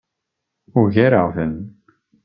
Ugareɣ-ten.